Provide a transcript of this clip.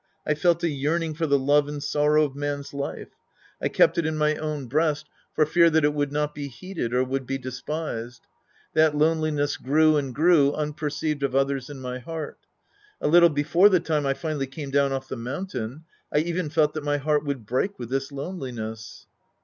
I felt a yearning for the love and sorrow of m^n's life. I kept it in my own Act li The Priest and His Disciples ^j breast for fear that it would not be heeded or would be despised. That loneliness grew and grew un perceived of others in my heart. A little before the time I finally came down off the mountain, I even felt that my heart would break with this loneliness.